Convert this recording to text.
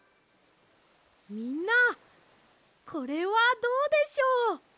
みんなこれはどうでしょう？